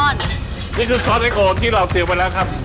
นี่คือซอสเอ็กโอที่เราติวไปแล้วครับ